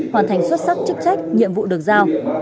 hoàn thành xuất sắc chức trách nhiệm vụ được giao